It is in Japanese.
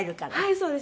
そうですね。